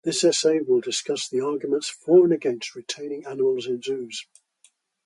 This essay will discuss the arguments for and against retaining animals in zoos.